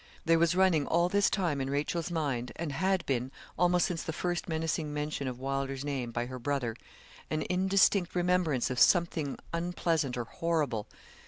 There was running all this time in Rachel's mind, and had been almost since the first menacing mention of Wylder's name by her brother, an indistinct remembrance of something unpleasant or horrible.